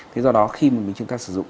thế do đó khi mà chúng ta sử dụng